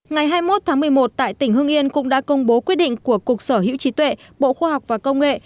ngày hai mươi một tháng một mươi một tại tỉnh hương yên cũng đã công bố quyết định của cục sở hữu trí tuệ bộ khoa học và công nghệ